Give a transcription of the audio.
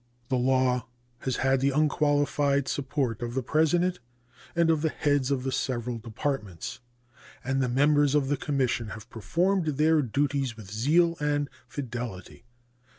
The law has had the unqualified support of the President and of the heads of the several Departments, and the members of the Commission have performed their duties with zeal and fidelity.